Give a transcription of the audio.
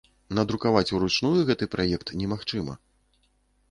Надрукаваць уручную гэты праект немагчыма.